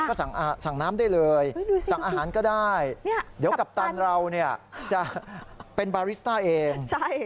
ก็สั่งน้ำได้เลยสั่งอาหารก็ได้เดี๋ยวกัปตันเราเนี่ยจะเป็นบาริสต้าเอง